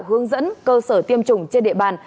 hướng dẫn cơ sở tiêm chủng trên địa bàn